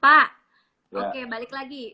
pak oke balik lagi